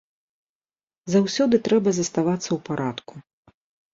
Заўсёды трэба заставацца ў парадку.